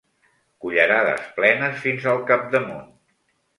Cullerades plenes fins al capdamunt.